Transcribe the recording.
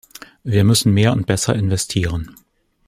Wir müssen mehr und besser investieren.